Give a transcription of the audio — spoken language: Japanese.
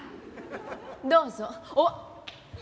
どうぞおあ。